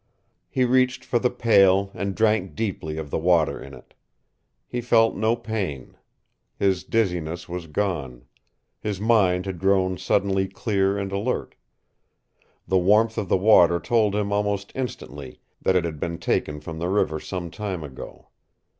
He reached for the pail and drank deeply of the water in it. He felt no pain. His dizziness was gone. His mind had grown suddenly clear and alert. The warmth of the water told him almost instantly that it had been taken from the river some time ago.